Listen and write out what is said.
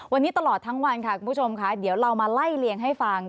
วันนี้ตลอดทั้งวันค่ะคุณผู้ชมค่ะเดี๋ยวเรามาไล่เลี่ยงให้ฟัง